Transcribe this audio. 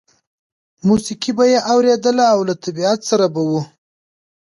موسیقي به یې اورېدله او له طبیعت سره به و